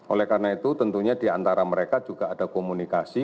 oleh karena itu tentunya diantara mereka juga ada komunikasi